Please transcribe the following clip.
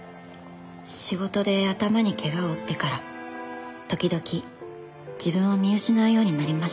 「仕事で頭に怪我を負ってから時々自分を見失うようになりました」